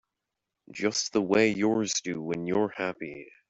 Just the way yours do when you're happy.